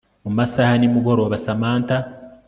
mu masaha ya nimugoroba Samantha